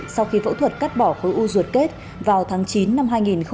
sau khi phẫu thuật cắt bỏ khối u ruột kết vào tháng chín năm hai nghìn hai mươi một